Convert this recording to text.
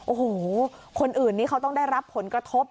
โอ้โหคนอื่นนี้เขาต้องได้รับผลกระทบ